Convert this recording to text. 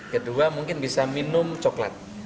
kedua mungkin bisa minum coklat